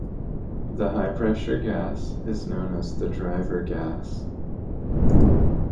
The high pressure gas is known as the driver gas.